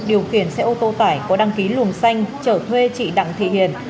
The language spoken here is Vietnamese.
điều khiển xe ô tô tải có đăng ký luồng xanh trở thuê chị đặng thị hiền